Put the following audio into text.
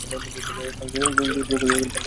রুটি ছোঁড়া বন্ধ করবে প্লিজ?